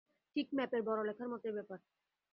ঠিক ম্যাপের বড় লেখার মতোই ব্যাপার।